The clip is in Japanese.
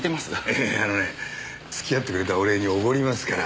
いやあのね付き合ってくれたお礼におごりますから。